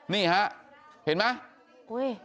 นี่ฮะเห็นไหม